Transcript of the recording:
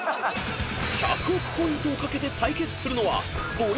［１００億ポイントを懸けて対決するのは］